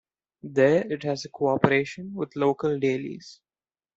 There it has a cooperation with local dailies.